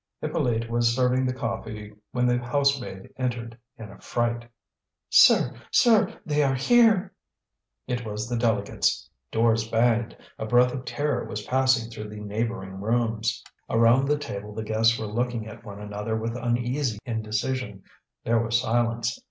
Hippolyte was serving the coffee when the housemaid entered in a fright. "Sir, sir, they are here!" It was the delegates. Doors banged; a breath of terror was passing through the neighbouring rooms. Around the table the guests were looking at one another with uneasy indecision. There was silence.